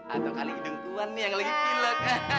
atau kali idung tuhan nih yang lagi pilek